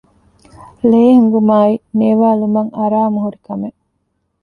ލޭހިނގުމާއި ނޭވާލުމަށް އަރާމުހުރި ކަމެއް